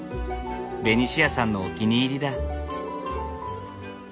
ベニシアさんのお気に入りだ。